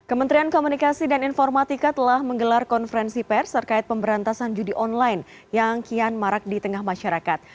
kementerian komunikasi dan informatika telah menggelar konferensi pers terkait pemberantasan judi online yang kian marak di tengah masyarakat